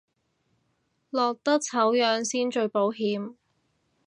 落得醜樣先最保險